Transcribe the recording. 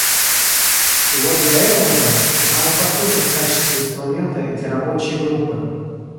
И вот для этого-то нам и послужат в качестве инструмента эти рабочие группы.